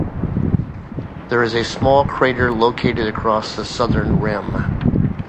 There is a small crater located across the southern rim.